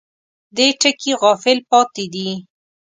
دې ټکي غافل پاتې دي.